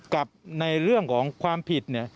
กับในเรื่องของความผิด